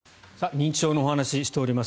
認知症のお話をしております。